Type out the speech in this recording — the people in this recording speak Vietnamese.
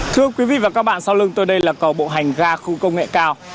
thưa quý vị và các bạn sau lưng tôi đây là cầu bộ hành ga khu công nghệ cao